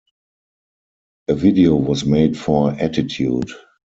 A video was made for "Attitude".